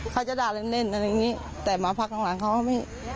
เขาจะด่าเล่นเล่นอะไรอย่างนี้แต่มาพักหลังหลังเขาไม่